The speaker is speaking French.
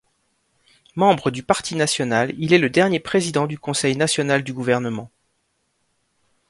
Membre du Parti national, il est le dernier président du Conseil national du gouvernement.